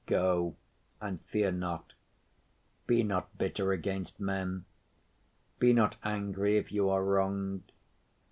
Go, and fear not. Be not bitter against men. Be not angry if you are wronged.